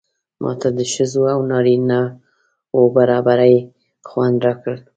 ماته د ښځو او نارینه و برابري خوند راکړ.